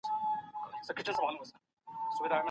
کله به حکومت سوله په رسمي ډول وڅیړي؟